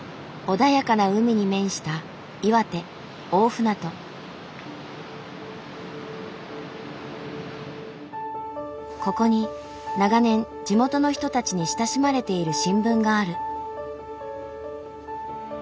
穏やかな海に面したここに長年地元の人たちに親しまれている新聞がある。